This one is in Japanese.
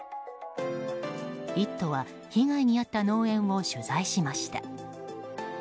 「イット！」は被害に遭った農園を取材しました。